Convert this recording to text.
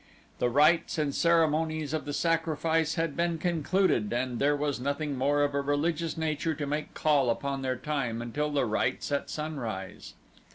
The rites and ceremonies of the sacrifice had been concluded and there was nothing more of a religious nature to make call upon their time until the rites at sunrise.